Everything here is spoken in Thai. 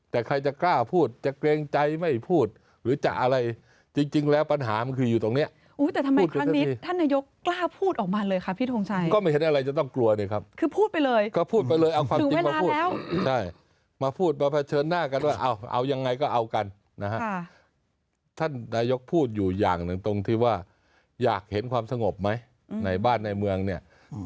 แต่ใครจะกล้าพูดจะเกรงใจไม่พูดหรือจะอะไรจริงแล้วปัญหามันคืออยู่ตรงเนี่ย